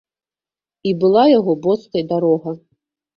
І была яго боскай дарога.